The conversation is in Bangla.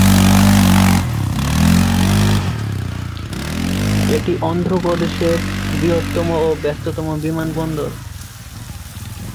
এটি অন্ধ্রপ্রদেশের বৃহত্তম ও ব্যস্ততম বিমানবন্দর।